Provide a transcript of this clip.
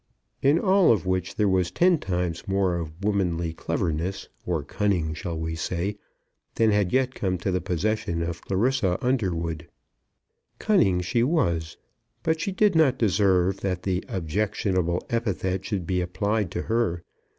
In all of which there was ten times more of womanly cleverness, or cunning, shall we say, than had yet come to the possession of Clarissa Underwood. Cunning she was; but she did not deserve that the objectionable epithet should be applied to her.